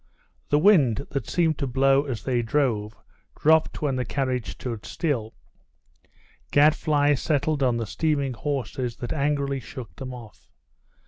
The wind, that seemed to blow as they drove, dropped when the carriage stood still; gadflies settled on the steaming horses that angrily shook them off.